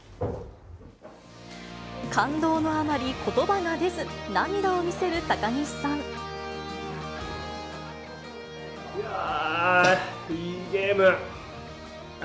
感動のあまり、ことばが出ず、いやー、いいゲーム。